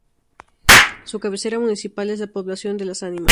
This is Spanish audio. Su cabecera municipal es la población de Las Ánimas.